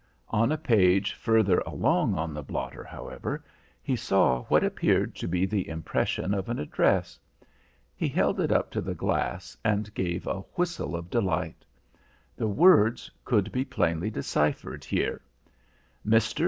On a page further along on the blotter, however, he saw what appeared to be the impression of an address. He held it up to the glass and gave a whistle of delight. The words could be plainly deciphered here: "MR.